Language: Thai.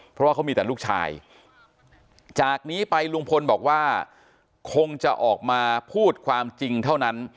เพราะว่าเขามีแต่ลูกชายจากนี้ไปลุงพลบอกว่าคงจะออกมาพูดความจริงเท่านั้น